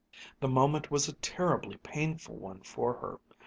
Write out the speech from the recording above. The moment was a terribly painful one for her.